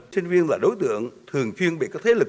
sinh viên là đối tượng thường chuyên bị các thế lực